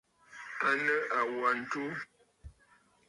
À nɨ àwa ǹtu.